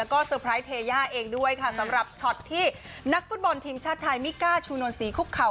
ก็เตอร์ไพรส์เทย่าเองด้วยค่ะสำหรับช็อตที่นักฟุตบอลทีมชาติไทยมิก้าชูนวลศรีคุกเข่า